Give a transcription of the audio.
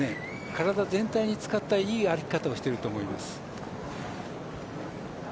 体全体を使ったいい歩き方をしていると思います。